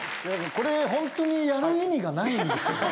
これホントにやる意味がないんですよね。